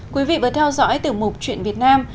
quý vị vừa theo dõi tiểu mục chuyện việt nam